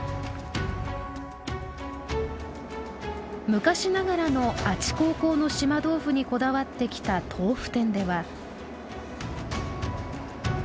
昔ながらのあちこーこーの島豆腐にこだわってきた豆腐店では。